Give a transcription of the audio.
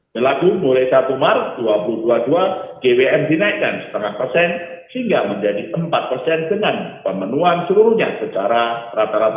berlaku mulai satu maret dua ribu dua puluh dua gwm dinaikkan setengah persen sehingga menjadi empat persen dengan pemenuhan seluruhnya secara rata rata